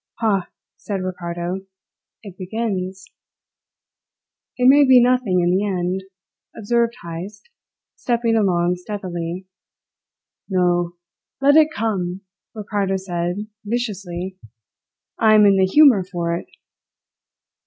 "Ha!" said Ricardo. "It begins." "It may be nothing in the end," observed Heyst, stepping along steadily. "No! Let it come!" Ricardo said viciously. "I am in the humour for it!"